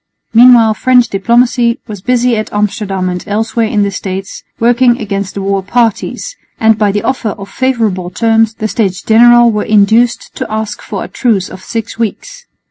Meanwhile French diplomacy was busy at Amsterdam and elsewhere in the States, working against the war parties; and by the offer of favourable terms the States General were induced to ask for a truce of six weeks.